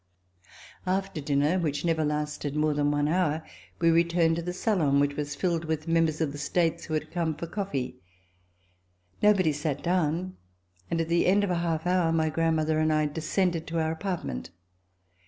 After dinner, which never lasted more than one hour, we returned to the salon which was filled with members of the States who had come for coffee. No body sat down, and at the end of a half hour my grandmother and I descended to our apartment.